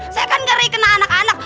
saya kan ngeri kena anak anak